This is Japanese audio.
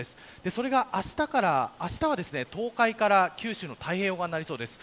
それがあしたからあしたは東海から九州の太平洋側になりそうです。